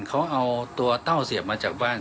เขาเอาตัวเต้าเสียบมาจากบ้าน